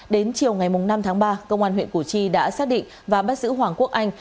đến chiều ngày năm tháng ba công an huyện củ chi đã xác định và bắt giữ hoàng quốc anh